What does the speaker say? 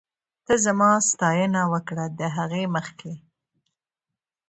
ته زما ستاينه وکړه ، د هغې مخکې